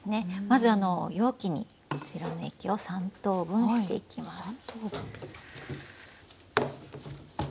まず容器にこちらの液を３等分していきます。